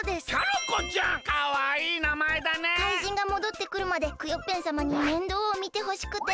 怪人がもどってくるまでクヨッペンさまに面倒をみてほしくて。